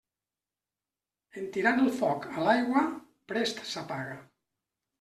En tirant el foc a l'aigua, prest s'apaga.